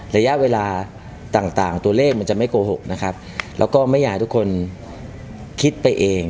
ระยะเวลาต่างต่างตัวเลขมันจะไม่โกหกนะครับแล้วก็ไม่อยากให้ทุกคนคิดไปเอง